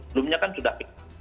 belumnya kan sudah